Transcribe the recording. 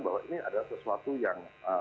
bahwa ini adalah sesuatu yang